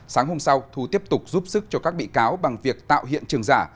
sáng hôm sau thu tiếp tục giúp sức cho các bị cáo bằng việc tạo hiện trường giả